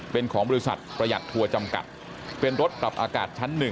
เป็นของบริษัทประหยัดทัวร์จำกัดเป็นรถปรับอากาศชั้น๑